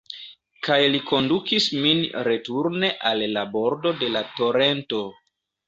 Kaj li kondukis min returne al la bordo de la torento.